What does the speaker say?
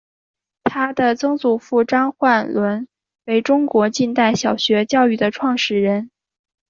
她的曾祖父张焕纶为中国近代小学教育的创始人。